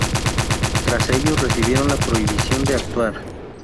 Tras ello, recibieron la prohibición de actuar.